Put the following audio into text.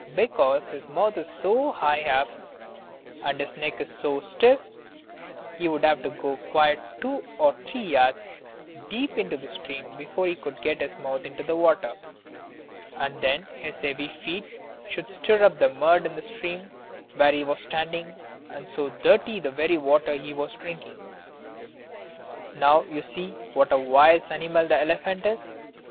Because his mouth is so high up, and his neck is so stiff, that he would have to go quite two or three yards deep into the stream before he could get his mouth into the water, and then his heavy feet would stir up the mud in the stream where he was standing, and so dirty the very water he was drinking. Now you see what a wise animal the elephant is!